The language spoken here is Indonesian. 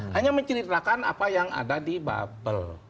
hanya menceritakan apa yang ada di bubble